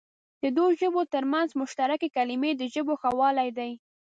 د دوو ژبو تر منځ مشترکې کلمې د ژبو ښهوالی دئ.